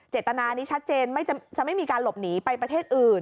เจตนานี้ชัดเจนจะไม่มีการหลบหนีไปประเทศอื่น